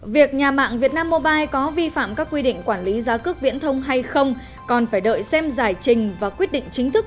việc nhà mạng việt nam mobile có vi phạm các quy định quản lý giá cước viễn thông hay không còn phải đợi xem giải trình và quyết định chính thức